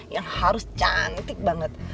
yang harus cantik banget